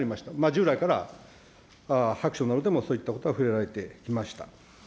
従来から、白書などでも、そういったことは触れられていました。